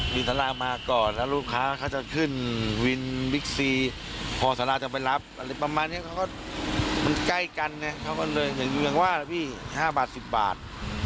สารามาก่อนแล้วลูกค้าเขาจะขึ้นวินบิ๊กซีพอสาราจะไปรับอะไรประมาณนี้เขาก็มันใกล้กันไงเขาก็เลยเห็นเมืองว่านะพี่๕บาท๑๐บาท